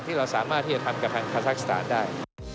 ที่เราสามารถที่จะทำกับทางคาทักษะได้